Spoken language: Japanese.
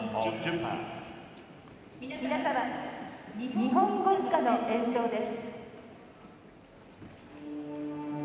日本国歌の演奏です。